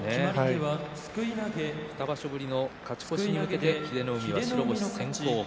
２場所ぶりの勝ち越しに向けて英乃海は白星先行です。